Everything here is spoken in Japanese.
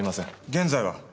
現在は？